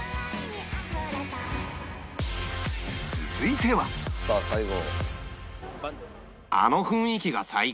続いてはさあ最後。